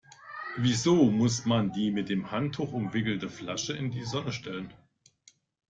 Wieso muss man die mit dem Handtuch umwickelte Flasche in die Sonne stellen?